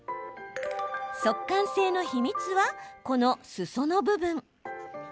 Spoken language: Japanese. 速乾性の秘密はこの、すその部分。